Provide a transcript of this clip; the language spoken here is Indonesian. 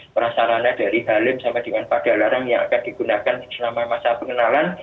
prasarana dari halim sama dengan pak dalarang yang akan digunakan selama masa pengenalan